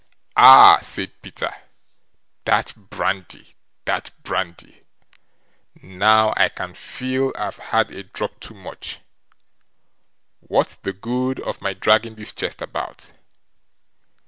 "Ah!" said Peter, "that brandy that brandy! Now I can feel I've had a drop too much. What's the good of my dragging this chest about?